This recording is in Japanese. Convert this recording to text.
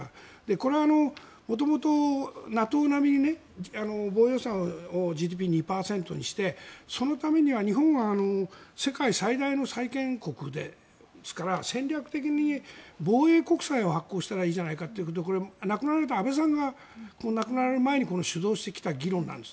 これは元々、ＮＡＴＯ並みに防衛予算をＧＤＰ比２％にしてそのためには日本は世界最大の債権国ですから戦略的に防衛国債を発行したらいいじゃないかということで亡くなられた安倍さんが亡くなられる前に主導してきた議論なんです。